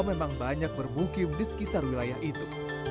memang banyak bermukim di sekitar wilayah itu